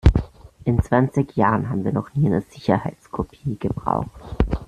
In zwanzig Jahren haben wir noch nie eine Sicherheitskopie gebraucht.